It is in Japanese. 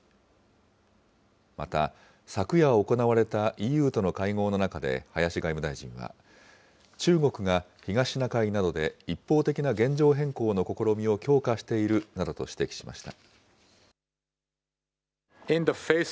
また、昨夜行われたＥＵとの会合の中で林外務大臣は、中国が東シナ海などで一方的な現状変更の試みを強化しているなどと指摘しました。